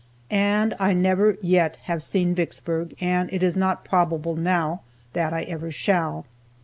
And I never yet have seen Vicksburg, and it is not probable now that I ever shall.